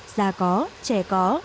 già có trẻ có